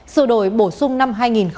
sửa đổi bổ sung năm hai nghìn một mươi bảy